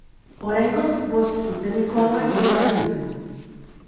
Oraingoz bost zuzeneko hauek iragarri ditu.